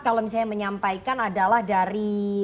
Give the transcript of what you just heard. kalau misalnya menyampaikan adalah dari